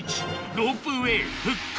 ロープウエー復活